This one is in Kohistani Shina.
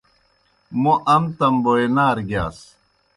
موْ ام تم بوئے نارہ گِیاس۔